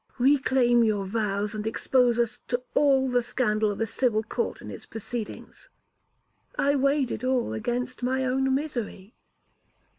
'Reclaim your vows, and expose us to all the scandal of a civil court and its proceedings.' 'I weighed it all against my own misery.'